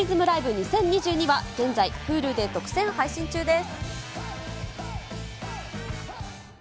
２０２２は現在Ｈｕｌｕで独占配信中です。